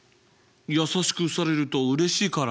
優しくされるとうれしいから。